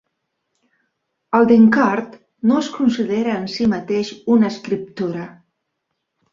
El "Denkard" no es considera en sí mateix una escriptura.